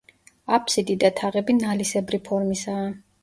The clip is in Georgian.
აფსიდი და თაღები ნალისებრი ფორმისაა.